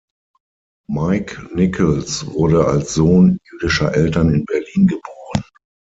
Mike Nichols wurde als Sohn jüdischer Eltern in Berlin geboren.